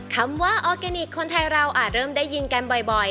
คำว่าออร์แกนิคคนไทยเราอาจเริ่มได้ยินกันบ่อย